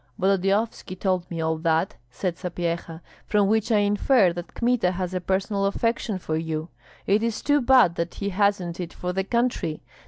"Volodyovski told me all that," said Sapyeha, "from which I infer that Kmita has a personal affection for you. It is too bad that he hasn't it for the country.